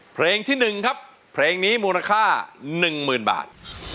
เพลงที่๑ครับเพลงนี้มูลค่า๑๐๐๐บาท